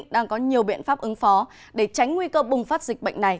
đang có nhiều biện pháp ứng phó để tránh nguy cơ bùng phát dịch bệnh này